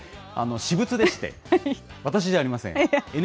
実はこれ、私物でして、私じゃありません。